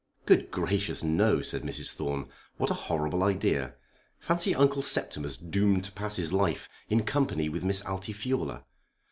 "Good gracious, no!" said Mrs. Thorne. "What a horrible idea! Fancy Uncle Septimus doomed to pass his life in company with Miss Altifiorla!